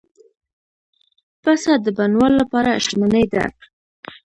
پسه د بڼوال لپاره شتمني ده.